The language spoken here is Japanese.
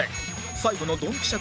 最後のドンピシャ